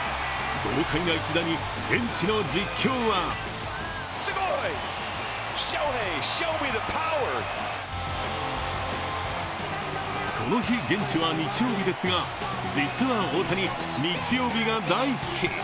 豪快な一打に現地の実況はこの日、現地は日曜日ですが実は大谷、日曜日が大好き。